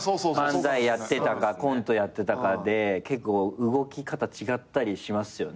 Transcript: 漫才やってたかコントやってたかで結構動き方違ったりしますよね。